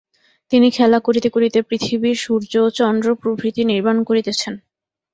তিনি খেলা করিতে করিতে পৃথিবী, সূর্য, চন্দ্র প্রভৃতি নির্মাণ করিতেছেন।